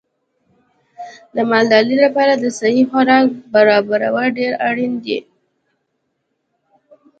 د مالدارۍ لپاره د صحي خوراک برابرول ډېر اړین دي.